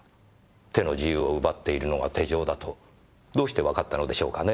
手の自由を奪っているのが手錠だとどうしてわかったのでしょうかねぇ。